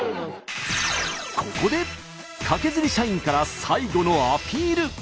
ここでカケズリ社員から最後のアピール。